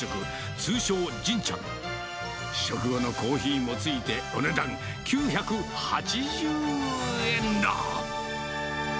通称ジンちゃん、食後のコーヒーもついてお値段９８０円だ。